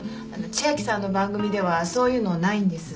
千明さんの番組ではそういうのないんです。